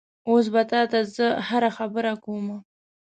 اوس به تا ته زه هره خبره کومه؟